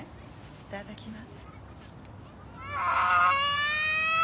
いただきます。